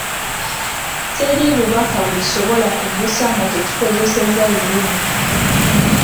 Teri bubaka bwe tusobola kuggusa nga tetukozesezza Lulimi